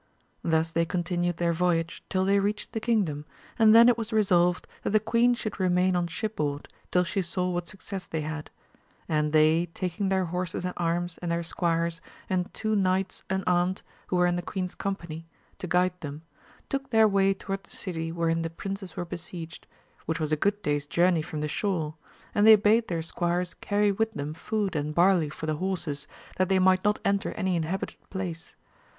Thus they continued their voyage till they reached the kingdom, and then it was resolved that the queen should remain on shipboard, till she saw what success they had ; and they, taking their horses and arms and their squires, and two knights unarmed, who were in the queen*s company. 270 AMADIS OF GAUL to guide them, took their way toward the city wherein the princes were besieged, which was a good day's journey from the shore, and they bade their squires carry with them food and barley for the horses, that they might not enter any inhabited place.